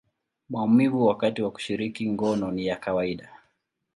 maumivu wakati wa kushiriki ngono ni ya kawaida.